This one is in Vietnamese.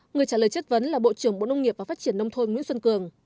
người trả lời chất vấn là bộ trưởng bộ nông nghiệp và phát triển nông thôn nguyễn xuân cường